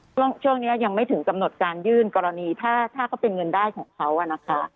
ช่วงนี้ยังไม่ถึงกำหนดการยื่นกรณีถ้าเขาเป็นเงินได้ของเขานะคะ